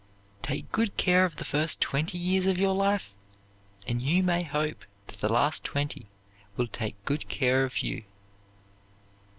Take good care of the first twenty years of your life, and you may hope that the last twenty will take good care of you.